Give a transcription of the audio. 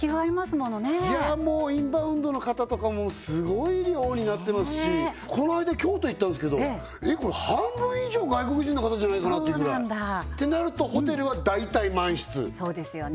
ものねインバウンドの方とかもすごい量になってますしこの間京都行ったんですけど半分以上外国人の方じゃないかなというぐらいてなるとホテルは大体満室そうですよね